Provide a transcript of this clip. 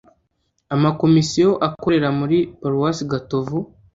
ama komisiyo akorera muri paroisse gatovu